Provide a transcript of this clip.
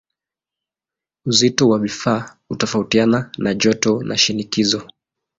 Uzito wa vifaa hutofautiana na joto na shinikizo.